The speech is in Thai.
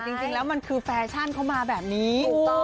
จริงแล้วมันคือแฟชั่นเข้ามาแบบนี้